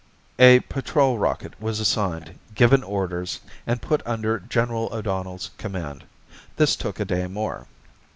A patrol rocket was assigned, given orders, and put under General O'Donnell's command. This took a day more.